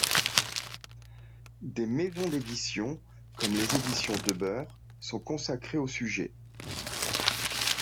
Des maisons d'édition, comme Les Éditions Debeur, sont consacrées au sujet.